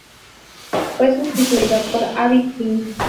Fue sustituido por Abe Kim.